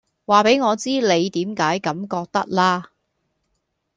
話畀我知你點解咁覺得啦